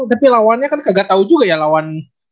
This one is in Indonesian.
tapi lawannya kan kagak tahu juga ya lawan